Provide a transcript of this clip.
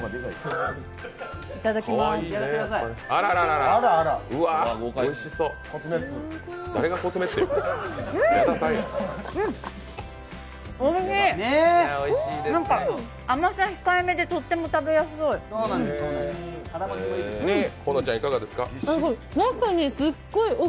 おいしい、甘さ控えめでとっても食べやすい。